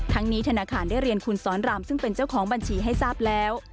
นี้ธนาคารได้เรียนคุณสอนรามซึ่งเป็นเจ้าของบัญชีให้ทราบแล้ว